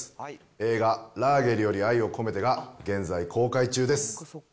映画、ラーゲリより愛を込めてが、現在、公開中です。